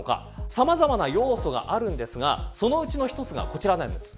さまざまな要素があるんですがそのうちの一つがこちらです。